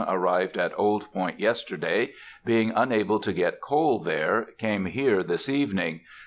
arrived at Old Point yesterday. Being unable to get coal there, came here this evening.